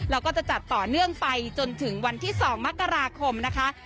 แล้วก็จะจัดต่อเนื่องไปจนถึงวันที่๒มกราคมนะคะ